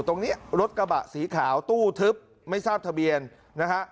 ตรงนี้รถกระบะสีขาวตู้ทึบไม่ทราบทะเบียนนะฮะ